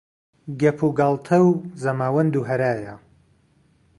گەپ و گاڵتە و زەماوەند و هەرایە